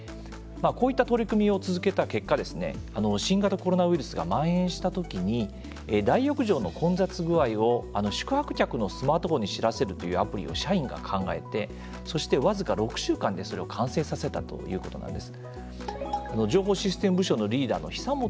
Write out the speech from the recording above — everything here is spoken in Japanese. こういった取り組みを続けた結果新型コロナウイルスがまん延したときに大浴場の混雑具合を宿泊客のスマートフォンに知らせるというアプリを社員が考えてそして、僅か６週間でそれを完成させたということなんです。